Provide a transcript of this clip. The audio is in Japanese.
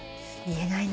言えない。